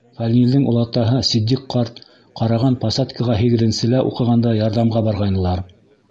Фәнилдең олатаһы Ситдиҡ ҡарт ҡараған посадкаға һигеҙенселә уҡығанда ярҙамға барғайнылар.